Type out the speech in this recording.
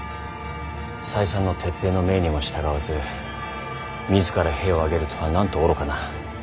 再三の撤兵の命にも従わず自ら兵を挙げるとはなんと愚かな。